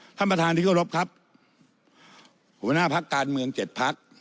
ท่านประธานที่เคารพครับหัวหน้าพักการเมืองเจ็ดพัก